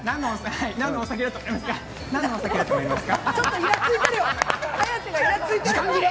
何のお酒だと思いますか？